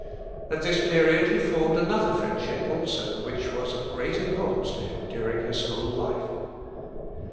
At this period he formed another friendship also, which was of great importance to him during his whole life.